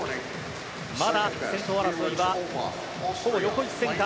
まだ先頭争いは、ほぼ横一線か。